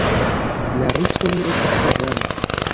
La risko ne estas tre granda.